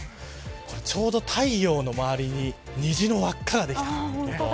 ちょうど、太陽の周りに虹の輪っかができた。